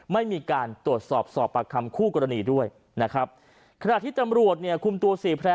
ไม่มีการตรวจสอบประคำคู่กรณีด้วยขณะที่ตำรวจคุมตัวสีแพร่